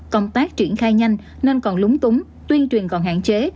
công tác triển khai nhanh nên còn lúng túng tuyên truyền còn hạn chế